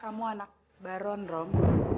kamu anak baron rom